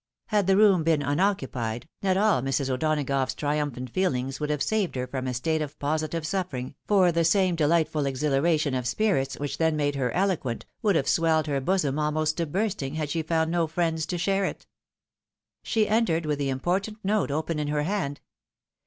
Had the room been unoccupied, not all Mrs. O'Donagough's trium phant feeKngs would have saved her from a state of positive suffering, for the same delightful exhilaration of spirits which then made her eloquent, would have swelled her bosom almost to bursting, had she found no Mends to share it. She entered with the important note open in her hand.